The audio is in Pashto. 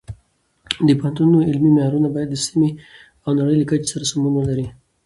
د پوهنتونونو علمي معیارونه باید د سیمې او نړۍ له کچې سره سمون ولري.